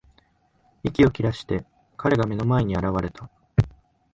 息を切らして、彼が目の前に現れた。